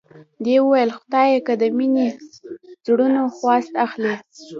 دې وویل خدایه که د مینې زړونو خواست اخلې.